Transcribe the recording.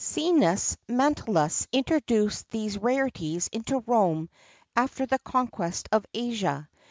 [XXXII 9] Cneus Manlius introduced these rarities into Rome after the conquest of Asia.